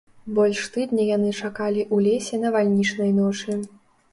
Больш тыдня яны чакалі ў лесе навальнічнай ночы.